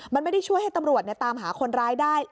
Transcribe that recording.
มันไม่ได้ช่วยให้ตำรวจตามหาคนร้ายได้